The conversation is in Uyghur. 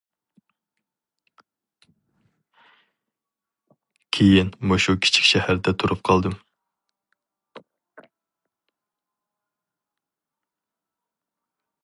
كېيىن مۇشۇ كىچىك شەھەردە تۇرۇپ قالدىم.